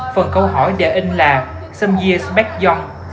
phần câu hỏi đề in là some years back y all